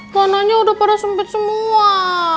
kanannya udah pada sempit semua